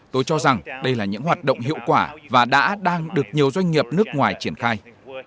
tôi cho rằng đây là những hoạt động hiệu quả và đã đang được nhiều doanh nghiệp nước ngoài triển khai